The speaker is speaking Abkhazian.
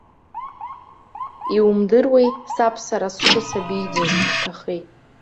Иумдыруеи, саб сара сшысабиӡаз дҭахеит.